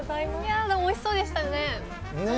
おいしそうでしたよね。